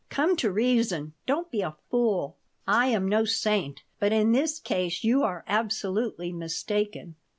Come to reason. Don't be a fool. I am no saint, but in this case you are absolutely mistaken.